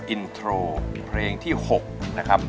อินโทรเพลงที่๖นะครับ